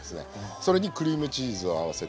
それにクリームチーズを合わせてええ。